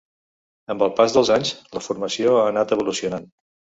Amb el pas dels anys, la formació ha anat evolucionant.